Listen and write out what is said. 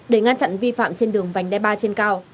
để ngăn chặn vi phạm trên đường vành đai ba trên cao